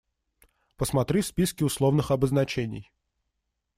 Посмотри в списке условных обозначений.